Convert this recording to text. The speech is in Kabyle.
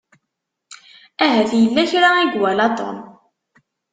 Ahat yella kra i iwala Tom.